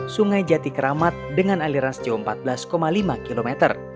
sungai jatikramat dengan aliran empat belas lima km